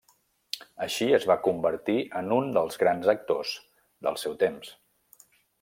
Així es va convertir en un dels grans actors del seu temps.